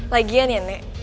lagian ya nek